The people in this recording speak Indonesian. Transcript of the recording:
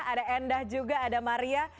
ada endah juga ada maria